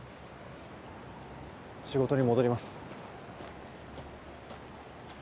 仕事に戻ります。